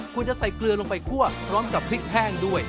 คุณจะใส่เกลือลงไปคั่วพร้อมกับพริกแห้งด้วย